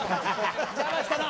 邪魔したな。